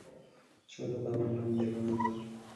চলো বাবার নাম, দেবানন্দ।